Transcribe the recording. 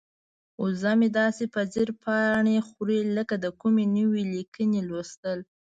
وزه مې داسې په ځیر پاڼې خوري لکه د کومې نوې لیکنې لوستل.